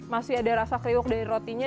masih ada rasa kriuk dari rotinya